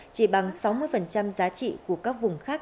chỉ bằng sáu mươi giá trị của các vùng khác